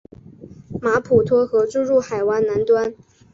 马普托河注入海湾南端。